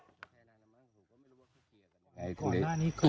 พ่อบอกว่าจริงแล้วก็เป็นยาดกันด้วย